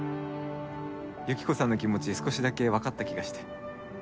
ユキコさんの気持ち少しだけ分かった気がして。